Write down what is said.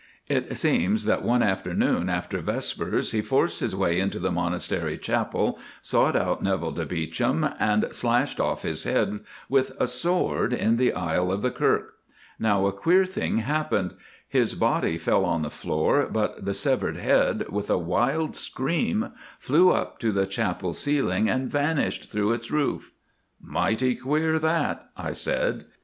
"It seems that one afternoon after vespers he forced his way into the Monastery Chapel, sought out Neville de Beauchamp, and slashed off his head with a sword in the aisle of the Kirk. Now a queer thing happened—his body fell on the floor, but the severed head, with a wild scream, flew up to the chapel ceiling and vanished through its roof." "Mighty queer that," I said.